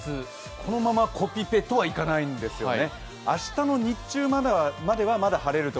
このままコピペとはいかないんですよね